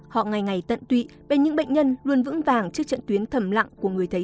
họ ngày ngày tận tụy bên những bệnh nhân luôn vững vàng trước trận tuyến thầm lặng của người thầy